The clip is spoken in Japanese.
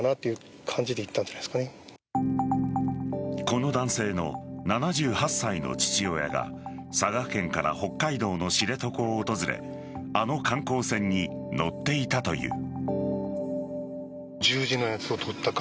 この男性の７８歳の父親が佐賀県から北海道の知床を訪れあの観光船に乗っていたという。